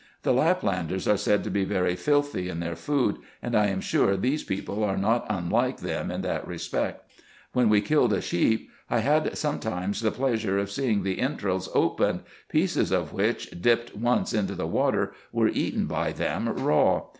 The Laplanders are said to be very filthy in their food, and I am sure these people are not unlike them in that respect. When we killed a sheep, I had sometimes the pleasure of seeing the entrails opened, pieces of which, dipped once into the water, were eaten by them raw.